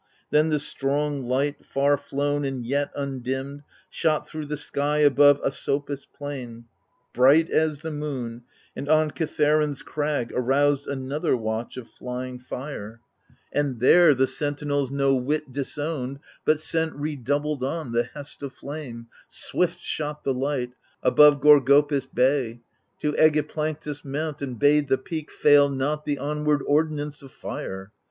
Then the strong light, far flown and yet undimmed, Shot thro* the sky above Asopus' plain. Bright as the moon, and on Cithseron's crag Aroused another watch of flying fire. i6 AGAMEMNON And there the sentinels no whit disowned, But sent redoubled on, the hest of flame — Swift shot the light, above Gorgopis' bay, To iEgiplanctus' mount, and bade the peak Fail not the onward ordinance of fire.